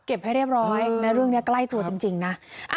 ให้เรียบร้อยนะเรื่องนี้ใกล้ตัวจริงนะ